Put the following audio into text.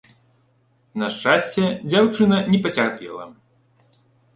На шчасце, дзяўчына не пацярпела.